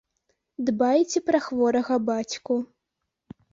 Дбайце пра хворага бацьку.